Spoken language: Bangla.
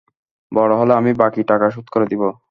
বড় হলে আমি বাকি টাকা শোধ করে দিব।